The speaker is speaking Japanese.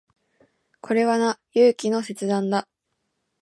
これはな、勇気の切断だ。